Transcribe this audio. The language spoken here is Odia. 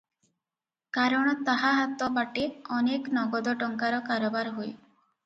କାରଣ ତାହା ହାତ ବାଟେ ଅନେକ ନଗଦ ଟଙ୍କାର କାରବାର ହୁଏ ।